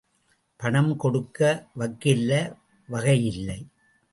பணம் கொடுக்க வக்கில்ல... வகையில்ல.